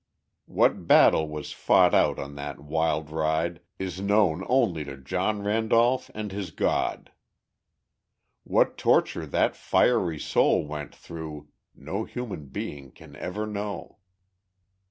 What battle was fought out on that wild ride is known only to John Randolph and his God. What torture that fiery soul went through, no human being can ever know.